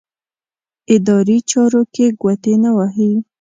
اداري چارو کې ګوتې نه وهي.